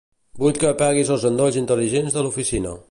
Vull que apaguis els endolls intel·ligents de l'oficina.